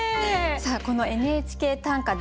この「ＮＨＫ短歌」